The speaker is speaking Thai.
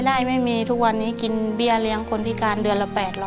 ได้ไม่มีทุกวันนี้กินเบี้ยเลี้ยงคนพิการเดือนละ๘๐๐